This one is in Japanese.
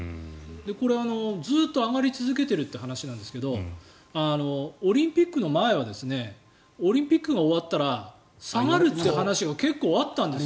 これ、ずっと上がり続けているっていう話なんですがオリンピックの前はオリンピックが終わったら下がるって話が結構あったんですよ。